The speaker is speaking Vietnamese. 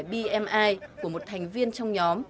bmi của một thành viên trong nhóm